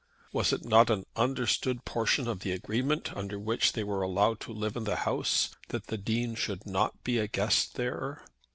Was it not an understood portion of the agreement under which they were allowed to live in the house, that the Dean should not be a guest there?